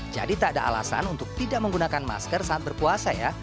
jadi tak ada alasan untuk tidak menggunakan masker saat berpuasa ya